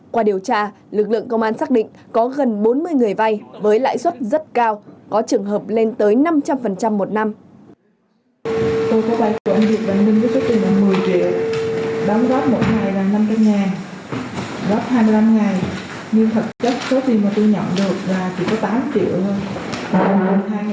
qua điều tra lực lượng công an xác định có gần bốn mươi người vay với lãi suất rất cao có trường hợp lên tới năm trăm linh một năm